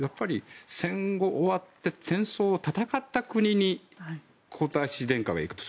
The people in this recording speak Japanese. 戦後、終わって戦争を戦った国に皇太子殿下が行くと。